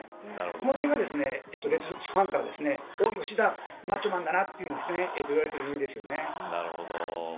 この点がレッドソックスファンから吉田、マッチョマンだなと言われているゆえんですね。